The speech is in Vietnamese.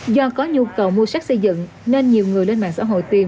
do có nhu cầu mua sắt xây dựng nên nhiều người lên mạng xã hội tiền